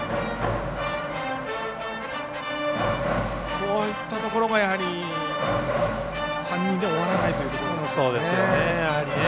こういったところがやはり３人では終わらないというところですね。